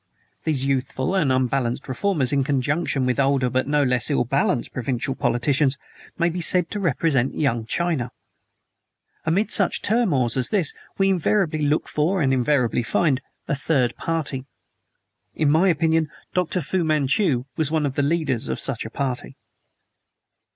These youthful and unbalanced reformers, in conjunction with older but no less ill balanced provincial politicians, may be said to represent Young China. Amid such turmoils as this we invariably look for, and invariably find, a Third Party. In my opinion, Dr. Fu Manchu was one of the leaders of such a party.